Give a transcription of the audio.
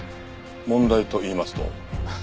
問題と言いますと？